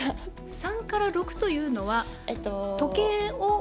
３から６というのは時計を？